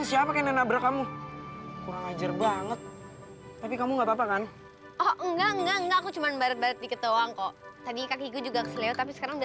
sampai jumpa di video selanjutnya